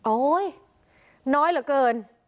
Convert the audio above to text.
โอ๊ยน้อยเหลือเกิน